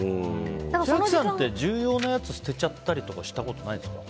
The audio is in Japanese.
千秋さんって重要なやつ捨てちゃったりしたことないですか？